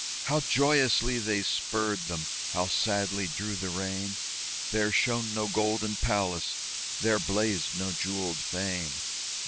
How joyously they spurred them! How sadly drew the rein! There shone no golden palace, there blazed no jewelled fane.